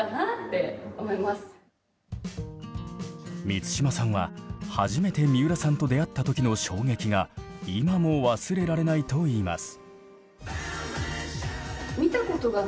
満島さんは初めて三浦さんと出会った時の衝撃が今も忘れられないといいます。